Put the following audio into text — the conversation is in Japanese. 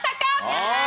やったー！